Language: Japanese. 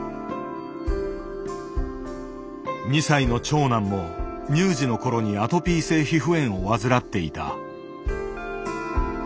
２歳の長男も乳児の頃にアトピー性皮膚炎を患っていた。